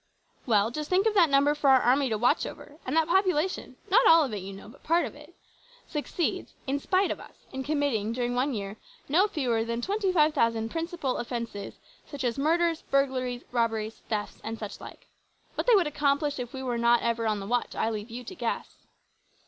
"Well, just think of that number for our army to watch over; and that population not all of it, you know, but part of it succeeds in spite of us in committing, during one year, no fewer than 25,000 `Principal' offences such as murders, burglaries, robberies, thefts, and such like. What they would accomplish if we were not ever on the watch I leave you to guess.